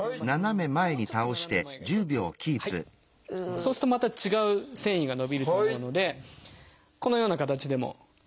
そうするとまた違う線維が伸びると思うのでこのような形でも。